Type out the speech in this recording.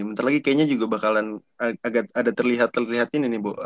bentar lagi kayaknya juga bakalan agak ada terlihat terlihat ini nih bu